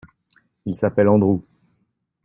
Il s’appelle Andrew.